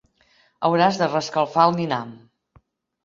Hauràs de reescalfar el dinar.